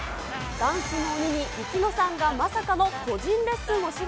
ダンスの鬼にユキノさんがまさかの個人レッスンを志願。